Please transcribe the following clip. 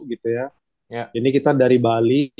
ini kita dari bali